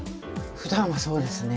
ふだんはそうですね。